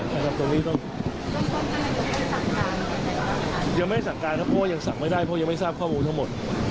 เพราะยังไม่สร้างโครงค์ทั้งหมด